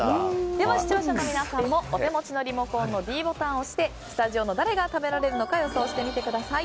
では、視聴者の皆さんもリモコンのｄボタンを押してスタジオの誰が食べられるのか予想してみてください。